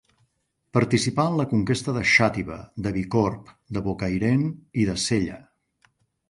Participà en la conquesta de Xàtiva, de Bicorb, de Bocairent i de Sella.